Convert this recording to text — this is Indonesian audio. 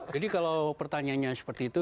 jadi kalau pertanyaannya seperti itu